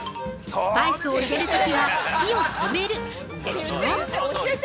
◆スパイスを入れるときは火を止めるですよ！